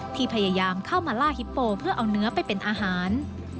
พยายามเข้ามาล่าฮิปโปเพื่อเอาเนื้อไปเป็นอาหาร